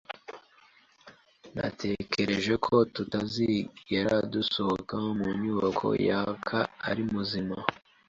Natekereje ko tutazigera dusohoka mu nyubako yaka ari muzima.